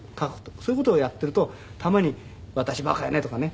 そういう事をやってるとたまに「私バカよね」とかね